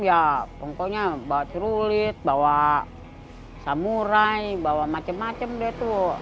ya pokoknya bawa trulit bawa samurai bawa macem macem deh tuh